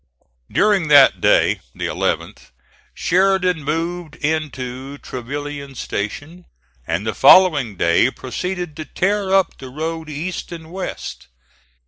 During that day, the 11th, Sheridan moved into Trevilian Station, and the following day proceeded to tear up the road east and west.